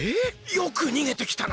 よくにげてきたな。